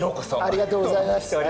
ありがとうございます。